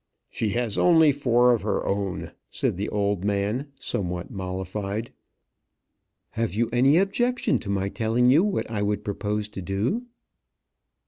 "She has only four of her own," said the old man, somewhat mollified. "Have you any objection to my telling you what I would propose to do?"